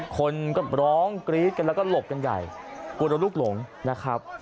คนก็ร้องกรี๊ดกันแล้วก็หลบกันใหญ่กลัวโดนลูกหลงนะครับ